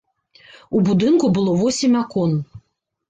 У будынку было восем акон.